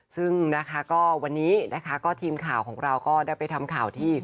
ซึ่งนะคะก็วันนี้นะคะก็ทีมข่าวของเราก็ได้ไปทำข่าวที่